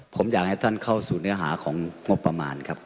ผมอยากให้ท่านเข้าสู่เนื้อหาของงบประมาณครับ